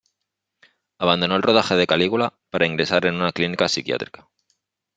Abandonó el rodaje de "Calígula" para ingresar en una clínica psiquiátrica.